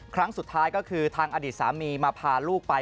ครั้งสุดท้ายก็คือทางอดีตสามีมาพาลูกไป